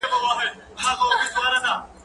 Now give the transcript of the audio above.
هغه وويل چي لوښي مينځل ضروري دي؟